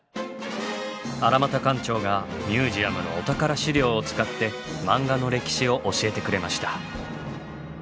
荒俣館長がミュージアムのお宝資料を使ってマンガの歴史を教えてくれました。